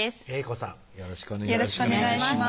瑛子さんよろしくお願いします